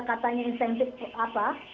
katanya insentif apa